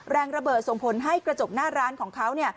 แรงระเบิดส่งผลให้กระจกหน้าร้านของเขา